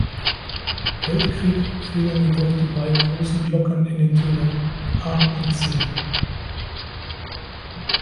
Weltkrieg fehlen jedoch die beiden großen Glocken in den Tönen a° und c´.